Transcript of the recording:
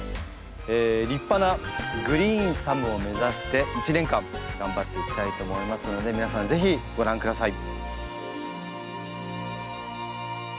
立派なグリーンサムを目指して１年間頑張っていきたいと思いますので皆さん是非ご覧下さい。